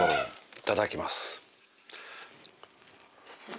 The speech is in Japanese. いただきます。